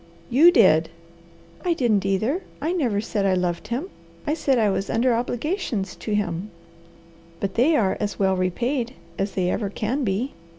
"You did!" "I didn't either! I never said I loved him. I said I was under obligations to him; but they are as well repaid as they ever can be.